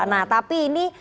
nah tapi ini